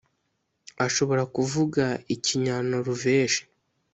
ashobora kuvuga ikinyanoruveje